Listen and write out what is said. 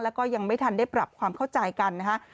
แล้วก็ยังไม่ทันได้ปรับความเข้าใจกันนะฮะ